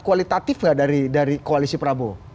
kualitatif nggak dari koalisi prabowo